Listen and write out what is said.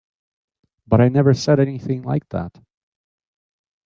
But I never said anything like that.